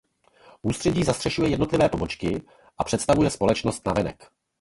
Ústředí zastřešuje jednotlivé pobočky a představuje společnost navenek.